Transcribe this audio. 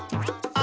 あ！